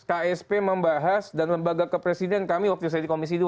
ksp membahas dan lembaga kepresiden kami waktu saya di komisi dua